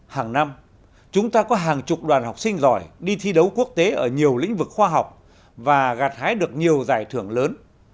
hàng năm chúng ta có hàng chục đoàn học sinh giỏi đi thi đấu quốc tế ở nhiều lĩnh vực khoa học và gạt hái được nhiều giải thưởng lớn